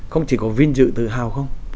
không chỉ có vinh dự tự hào không